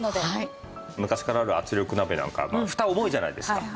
昔からある圧力鍋なんかふた重いじゃないですか。